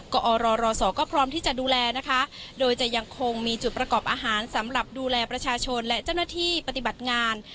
ก็อรศก็พร้อมที่จะดูแลนะคะโดยจะยังคงมีจุดประกอบอาหารสำหรับดูแลประชาชนและเจ้าหน้าที่ปฏิบัติงาน